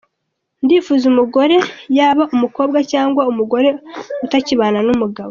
Ndifuza umugore yaba umukombwa cg yaba umugore utakibana numugabo!.